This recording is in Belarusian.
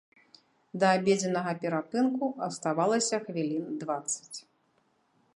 Да абедзеннага перапынку аставалася хвілін дваццаць.